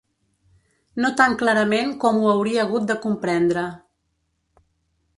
No tan clarament com ho hauria hagut de comprendre